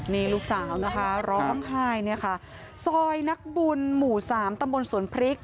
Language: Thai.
นี่ลูกสาวนะคะร้องไห้เนี่ยค่ะซอยนักบุญหมู่สามตำบลสวนพริก